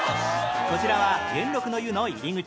こちらは元禄の湯の入り口